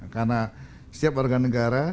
karena setiap warga negara